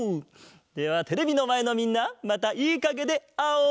ではテレビのまえのみんなまたいいかげであおう！